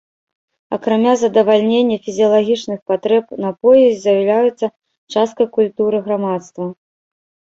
Акрамя задавальнення фізіялагічных патрэб напоі з'яўляюцца часткай культуры грамадства.